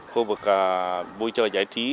khu vực vui chơi giải trí